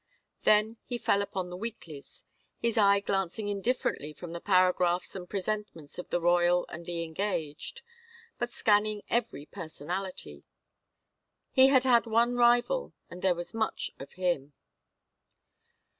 Then he fell upon the weeklies, his eye glancing indifferently from the paragraphs and presentments of the royal and the engaged, but scanning every personality. He had had one rival and there was much of him.